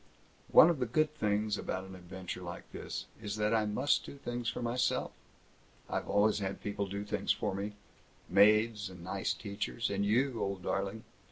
One of the good things about an adventure like this is that I must do things for myself. I've always had people to do things for me. Maids and nice teachers and you, old darling!